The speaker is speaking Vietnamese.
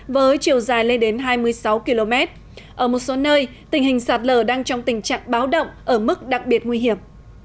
với chiều dài lên đến hai mươi sáu km ở một số nơi tình hình sạt lở đang trong tình trạng báo động ở mức đặc biệt nguy hiểm